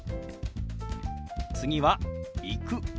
次は「行く」。